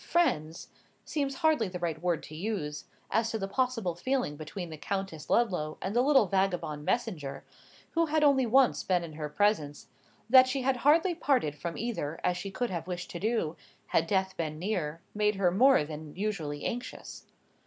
—"friends" seems hardly the right word to use, as to the possible feeling between the Countess Ludlow and the little vagabond messenger, who had only once been in her presence,—that she had hardly parted from either as she could have wished to do, had death been near, made her more than usually anxious.